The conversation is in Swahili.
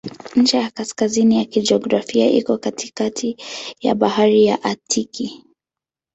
Ncha ya kaskazini ya kijiografia iko katikati ya Bahari ya Aktiki.